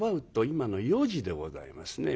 今の４時でございますね。